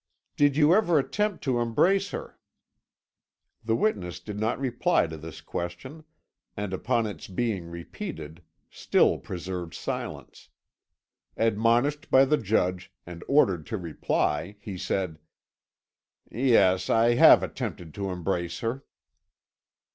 "Did you ever attempt to embrace her?" The witness did not reply to this question, and upon its being repeated, still preserved silence. Admonished by the judge, and ordered to reply, he said: "Yes, I have attempted to embrace her."